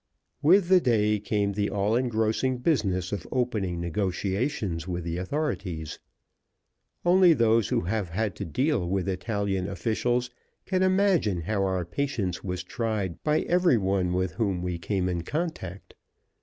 With the day came the all engrossing business of opening negotiations with the authorities. Only those who have had to deal with Italian officials can imagine how our patience was tried by every one with whom we came in contact.